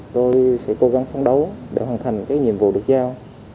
tôi sẽ cố gắng phấn đấu để hoàn thành cái nhiệm vụ được giao